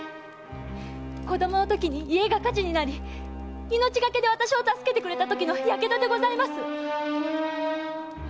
子供のときに家が火事になり命がけで私を助けてくれたときの火傷でございます！